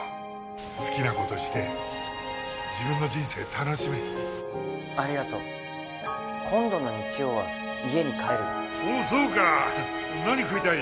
好きなことして自分の人生楽しめありがとう今度の日曜は家に帰るよおおそうか何食いたい？